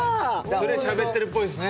それしゃべってるっぽいですね。